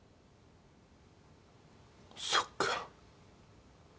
そっか。